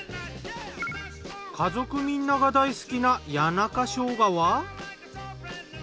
家族みんなが大好きな谷中しょうがは。